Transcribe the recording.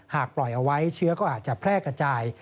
ปล่อยเอาไว้เชื้อก็อาจจะแพร่กระจาย